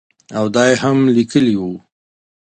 او دا ئې هم ليکلي وو